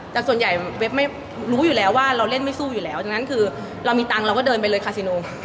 แต่ส่วนใหญ่เว็บไม่รู้อยู่แล้วว่าเราเล่นไม่สู้อยู่แล้วดังนั้นคือเรามีตังค์เราก็เดินไปเลยคาซิโน